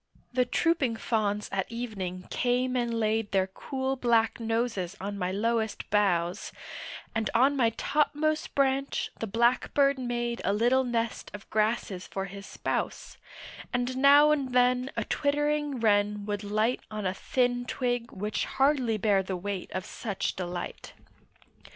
The trooping fawns at evening came and laid Their cool black noses on my lowest boughs, And on my topmost branch the blackbird made A little nest of grasses for his spouse, And now and then a twittering wren would light On a thin twig which hardly bare the weight of such delight.